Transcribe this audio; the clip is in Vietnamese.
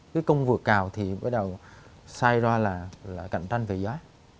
cái công vượt cào thì bắt đầu sai ra là cạnh tranh về giá